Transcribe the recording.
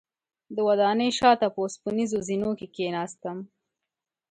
د ودانۍ شاته په اوسپنیزو زینو کې کیناستم.